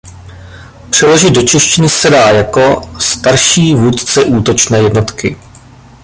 Přeložit do češtiny se dá jako "starší vůdce útočné jednotky".